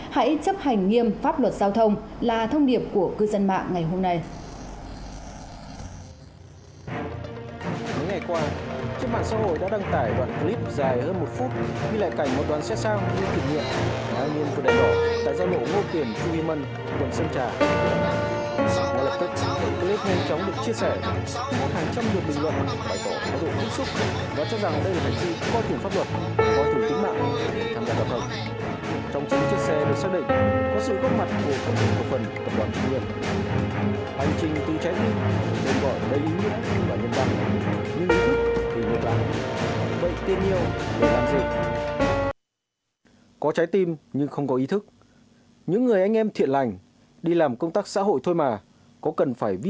hãy chấp hành nghiêm pháp luật giao thông là thông điệp của cư dân mạng ngày hôm nay